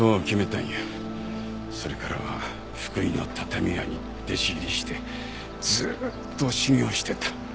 それからは福井の畳屋に弟子入りしてずっと修業してた。